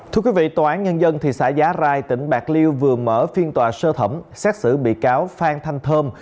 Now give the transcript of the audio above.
thưa quý vị tòa án nhân dân thị xã giá rai tỉnh bạc liêu vừa mở phiên tòa sơ thẩm xét xử bị cáo phan thanh thơm